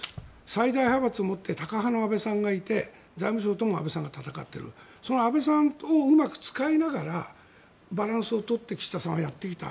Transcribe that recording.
最大派閥を持ってタカ派の安倍さんがいて財務省とも安倍さんが戦っているその安倍さんをうまく使いながらバランスを取って岸田さんはやっていた。